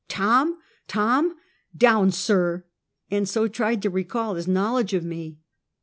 "Tom! Tom! Down sir," and so tried to recall his knowledge of me.